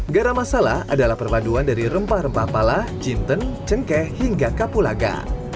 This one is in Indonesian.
garam masala adalah perpaduan dari rempah rempah pala jinten cengkeh hingga kapulaga